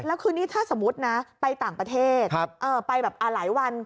แล้วคือนี่ถ้าสมมุตินะไปต่างประเทศไปแบบหลายวัน